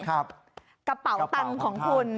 กระเป๋าตังค์ของคุณ